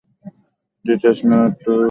That's not true, Balaram.